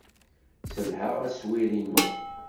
Sselhaɣ aswir-inu.